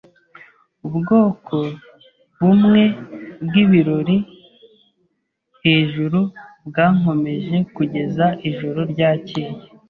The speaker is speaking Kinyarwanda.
Ubwoko bumwe bwibirori hejuru byankomeje kugeza ijoro ryakeye.